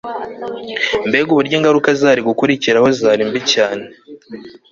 mbega uburyo ingaruka zari gukurikiraho zarri mbi cyane